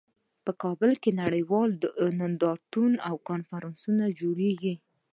په کابل کې نړیوال نندارتونونه او کنفرانسونه جوړیږي